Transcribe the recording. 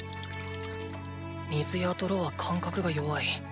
水や泥は感覚が弱い。